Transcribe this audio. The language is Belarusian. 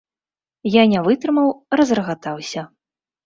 Я не вытрымаў, разрагатаўся.